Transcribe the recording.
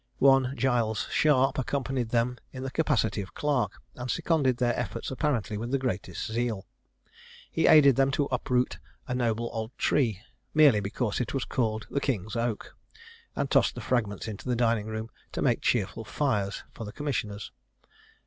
One Giles Sharp accompanied them in the capacity of clerk, and seconded their efforts apparently with the greatest zeal. He aided them to uproot a noble old tree, merely because it was called the King's Oak, and tossed the fragments into the dining room to make cheerful fires for the commissioners.